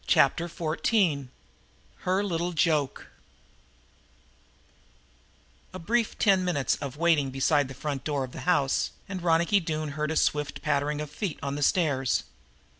Chapter Fourteen Her Little Joke A brief ten minutes of waiting beside the front door of the house, and then Ronicky Doone heard a swift pattering of feet on the stairs.